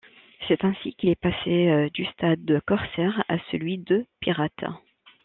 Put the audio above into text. C'est ainsi qu'il est passé du stade de corsaire à celui de pirate.